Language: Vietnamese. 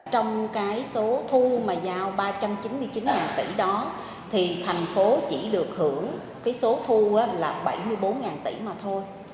trong cái số thu mà giao ba trăm chín mươi chín tỷ đó thì thành phố chỉ được hưởng cái số thu là bảy mươi bốn tỷ mà thôi